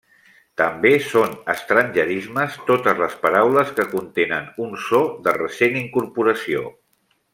També són estrangerismes totes les paraules que contenen un so de recent incorporació.